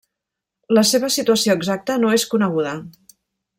La seva situació exacta no és coneguda.